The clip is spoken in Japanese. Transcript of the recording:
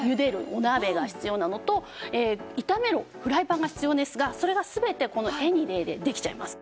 お鍋が必要なのと炒めるフライパンが必要ですがそれが全てこのエニデイでできちゃいます。